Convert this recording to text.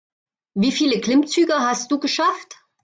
Wie viele Klimmzüge hast du geschafft?